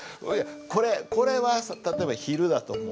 これこれは例えば昼だと思う？